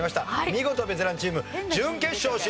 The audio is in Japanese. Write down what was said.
見事ベテランチーム準決勝進出決定！